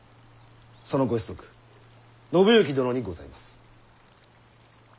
そのご子息信幸殿にございます。